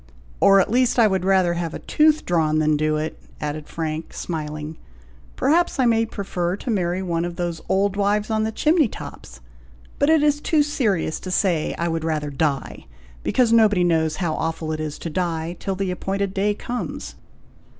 "Or, at least, I would rather have a tooth drawn than do it," added Frank, smiling. "Perhaps I may prefer to marry one of those old wives on the chimney tops; but it is too serious to say I would rather die, because nobody knows how awful it is to die, till the appointed day comes."